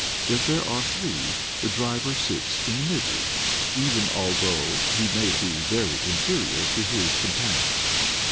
If there are three, the driver sits in the middle, even although he may be very inferior to his companions.